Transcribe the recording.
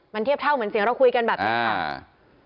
มันเทียบเท่าเหมือนเสียงเราคุยกันแบบนี้ค่ะ